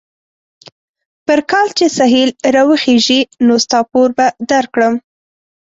پر کال چې سهيل را وخېژي؛ نو ستا پور به در کړم.